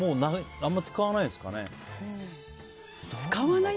あまり聞かないですかね。